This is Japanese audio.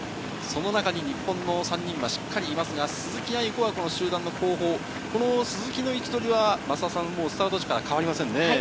その中に日本の３人はしっかりいますが、鈴木亜由子は集団の後方、位置取りは変わりませんね。